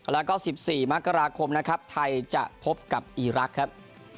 แล้วก็๑๔มกราคมนะครับไทยจะพบกับอีรักษ์ครับ